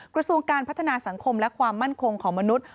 กระทรวงการพัฒนาสังคมและความมั่นคงของมนุษย์